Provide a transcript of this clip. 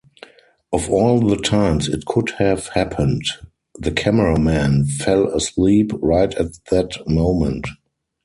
Of all the times it could have happened, the cameraman fell asleep right at that moment.